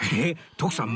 徳さん